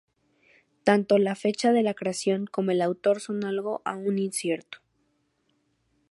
Tanto la fecha de la creación como el autor son algo aún incierto.